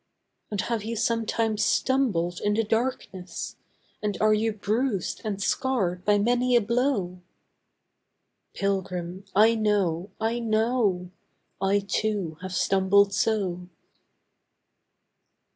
And have you sometimes stumbled in the darkness, And are you bruised and scarred by many a blow? Pilgrim, I know, I know! I, too, have stumbled so.